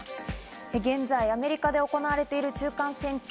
現在、アメリカで行われている中間選挙。